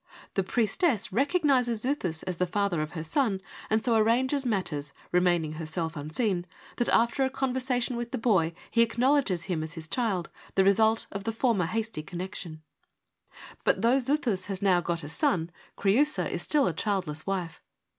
The priestess recognises Xuthus as the father of her son, and so arranges matters — remaining herself unseen — that after a conversation with the boy he acknowledges him as his child, the result of the former hasty connexion. THE FOUR FEMINIST PLAYS 121 But though Xuthus has now got a son, Creiisa is still a childless wife.